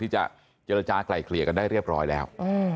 ที่จะเจอรจาไกลเคลียร์กันได้เรียบร้อยแล้ว